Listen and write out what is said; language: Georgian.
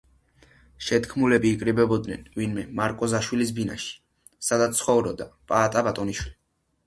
შეთქმულები იკრიბებოდნენ ვინმე მარკოზაშვილის ბინაში, სადაც ცხოვრობდა პაატა ბატონიშვილი.